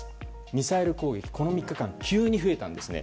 ミサイル攻撃この３日間、急に増えたんですね。